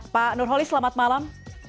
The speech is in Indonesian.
pak nurholis selamat malam